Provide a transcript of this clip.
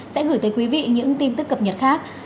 sẽ gửi tới quý vị những tin tức cập nhật khác